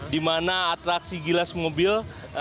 di mana atraksi gilas mobil